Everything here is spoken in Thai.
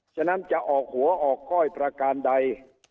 ฉะนั้นจะออกหัวออกก้อยประการใด